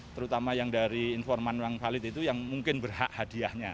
terutama yang dari informan yang valid itu yang mungkin berhak hadiahnya